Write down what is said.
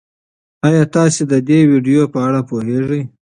ایا تاسي د دې ویډیو په اړه پوهېږئ؟